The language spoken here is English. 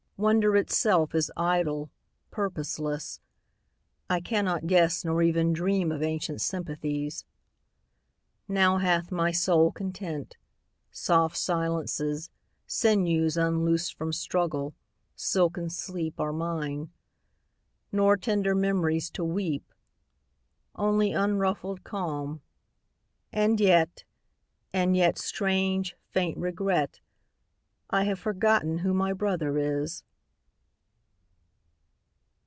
Wonder itself is idle, purposeless; I cannot guess Nor even dream of ancient sympathies. Now hath my soul content. Soft silences, Sinews unloosed from struggle, silken sleep, 27 Are mine; nor tender memories to weep. Only unruffled calm; and yet — and yet — Strange, faint regret — I have forgotten who my brother is!